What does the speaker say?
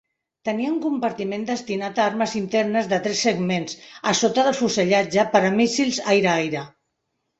Tenia un compartiment destinat a armes internes de tres segments a sota del fusellatge per a míssils aire-aire.